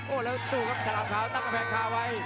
โอ้แล้วตู้ครับฉลาดเช้าตั้งแผงคาไว้